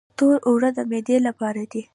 تور اوړه د معدې لپاره دي.